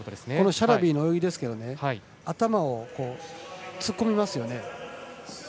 シャラビの泳ぎですけど頭を突っ込みますよね。